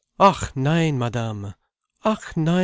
"Ach nein, Madame, ach nein.